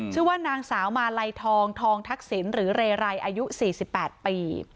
ชื่อว่านางสาวมาลัยทองทองทักษิณหรือเรไรอายุ๔๘ปี